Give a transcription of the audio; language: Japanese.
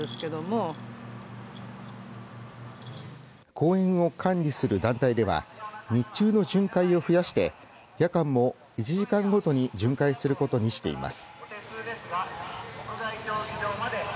公園を管理する団体では日中の巡回を増やして夜間も１時間ごとに巡回することにしています。